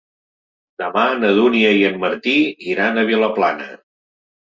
Demà na Dúnia i en Martí iran a Vilaplana.